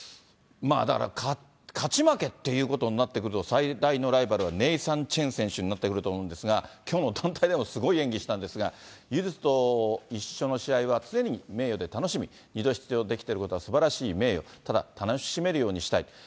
だから勝ち負けっていうことになってくると、最大のライバルは、ネイサン・チェン選手になってくると思うんですが、きょうの団体でもすごい演技したんですが、ユヅと一緒の試合は常に名誉で楽しみ、２度出場できていることはすばらしい名誉、ただ楽しめるようにしたい。